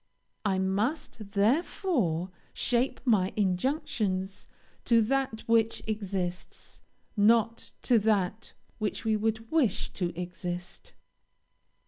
I must, therefore, shape my injunctions to that which exists, not to that which we would wish to exist.